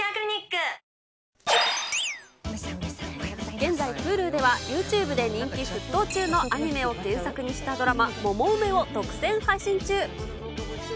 現在、Ｈｕｌｕでは、ユーチューブで人気沸騰中のアニメを原作にしたドラマ、モモウメを独占配信中。